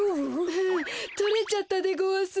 ふふとれちゃったでごわす。